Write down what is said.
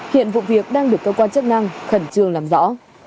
hiện vụ việc đang được cơ quan chức năng khẩn trương làm rõ